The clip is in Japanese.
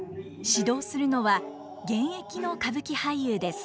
指導するのは現役の歌舞伎俳優です。